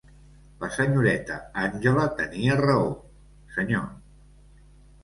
La senyoreta Angela tenia raó, senyor.